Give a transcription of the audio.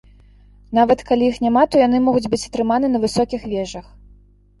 Нават калі іх няма, то яны могуць быць атрыманы на высокіх вежах.